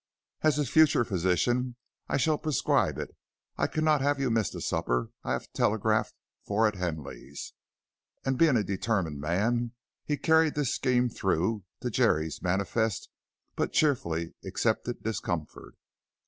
As his future physician I shall prescribe it. I cannot have you miss the supper I have telegraphed for at Henly's." And being a determined man, he carried this scheme through, to Jerry's manifest but cheerfully accepted discomfort.